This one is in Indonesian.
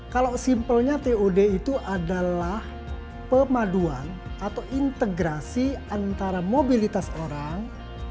kalau simpelnya tod itu adalah pemaduan atau integrasi antara mobilitas orang